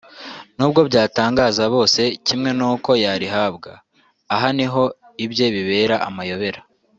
n’ubwo byatangaza bose kimwe n’uko yarihabwa (aha niho ibye bibera amayobera)